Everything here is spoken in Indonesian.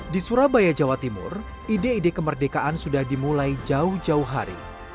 di surabaya jawa timur ide ide kemerdekaan sudah dimulai jauh jauh hari